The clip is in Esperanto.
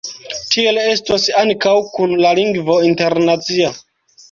Tiel estos ankaŭ kun la lingvo internacia.